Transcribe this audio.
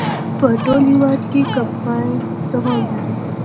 په ټول هېواد کې کمپاین دوام لري.